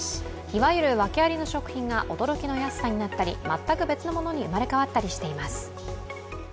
いわゆるワケありの食品が驚きの安さになったり全く別のものに生まれ変わったりしています。